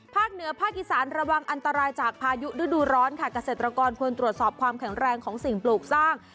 เหนือภาคอีสานระวังอันตรายจากพายุฤดูร้อนค่ะเกษตรกรควรตรวจสอบความแข็งแรงของสิ่งปลูกสร้าง